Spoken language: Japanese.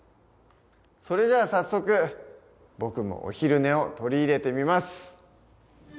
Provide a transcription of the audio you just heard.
それじゃあ早速僕もお昼寝を取り入れてみます。